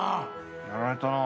やられたな。